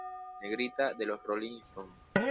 Negrita"", de los Rolling Stones.